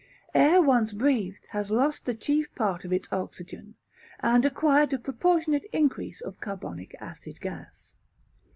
Air once breathed has lost the chief part of its oxygen, and acquired a proportionate increase of carbonic acid gas.